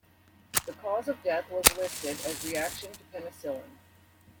The cause of death was listed as "reaction to penicillin".